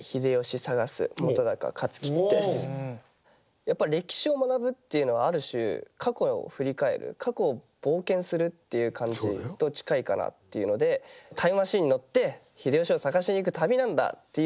やっぱ歴史を学ぶっていうのはある種過去を振り返る過去を冒険するっていう感じと近いかなっていうのでタイムマシンに乗って秀吉を探しに行く旅なんだ！っていう。